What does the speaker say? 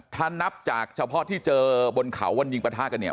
ถ้านับจากเฉพาะที่เจอบนเขาวันยิงประทะกันเนี่ย